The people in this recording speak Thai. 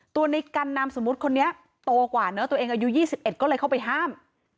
ตัวนิกันนามสมมติคนนี้โตกว่าเนอะตัวเองอายุยี่สิบเอ็ดก็เลยเข้าไปห้าม